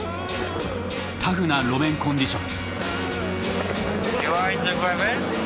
タフな路面コンディション。